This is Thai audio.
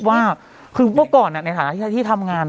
เมื่อก่อนในฐาวะที่ทำงาน